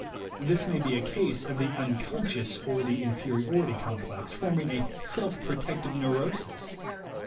This may be a case of the "unconscious" or the "inferi ority complex," forming a "self protective neuro sis!"